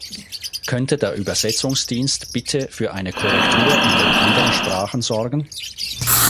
Könnte der Übersetzungsdienst bitte für eine Korrektur in den anderen Sprachen sogen?